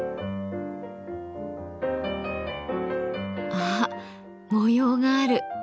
あっ模様がある。